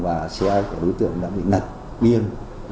và xe của đối tượng đã bị nật biên